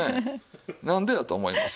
なんでやと思います？